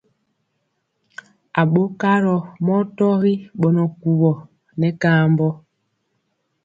Aɓokarɔ mɔ tɔgi ɓɔnɔ kuwɔ nɛ kaambɔ.